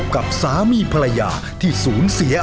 พบกับสามีภรรยาที่สูญเสียอวัยวะ